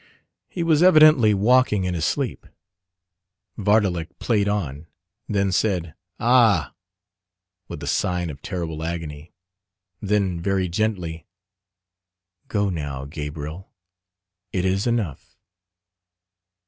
He was evidently walking in his sleep. Vardalek played on: then said, "Ah!" with a sign of terrible agony. Then very gently, "Go now, Gabriel; it is enough."